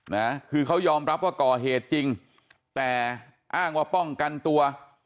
นะคือเขายอมรับว่าก่อเหตุจริงแต่อ้างว่าป้องกันตัว